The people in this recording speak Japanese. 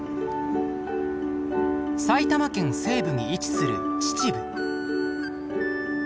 埼玉県西部に位置する秩父。